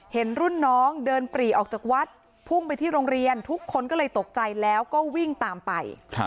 เห็นรุ่นน้องเดินปรีออกจากวัดพุ่งไปที่โรงเรียนทุกคนก็เลยตกใจแล้วก็วิ่งตามไป